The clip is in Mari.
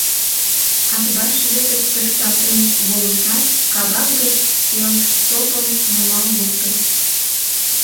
Атбаш Вӧдыр тӧршталтен волышат, кабак гыч пелштопым нумал лукто.